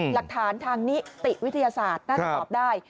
หลักฐานทางนิติวิทยาศาสตร์น่าจะตอบได้